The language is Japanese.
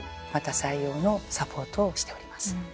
また採用のサポートをしております。